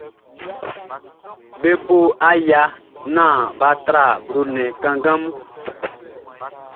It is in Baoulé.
Be bo aya naan bʼa tra blo nnɛn kanngan mun.